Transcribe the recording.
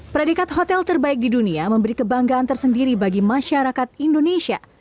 predikat hotel terbaik di dunia memberi kebanggaan tersendiri bagi masyarakat indonesia